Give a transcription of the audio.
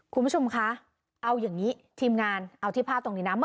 คุณผู้ชมคะเอาอย่างนี้ทีมงานเอาที่ภาพตรงนี้นะ